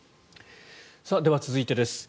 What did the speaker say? では、続いてです。